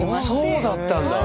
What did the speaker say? そうだったんだ。